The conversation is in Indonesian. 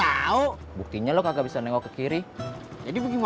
artinya kamu mengen visual damn rando pasti jadinya ander